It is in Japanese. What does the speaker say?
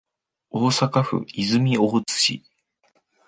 大阪府泉大津市